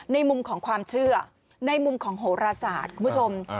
ในมุมของความเชื่อในมุมของโหรศาสตร์คุณผู้ชม